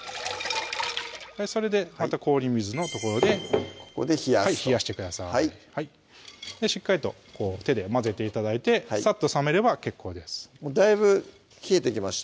それでまた氷水の所でここで冷やすとしっかりと手で混ぜて頂いてさっと冷めれば結構ですだいぶ冷えてきました